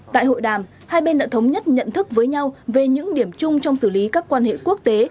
tại hội đàm hai bên đã thống nhất nhận thức với nhau về những điểm chung trong xử lý các quan hệ quốc tế